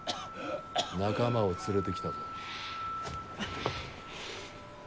仲間を連れてきたぞ。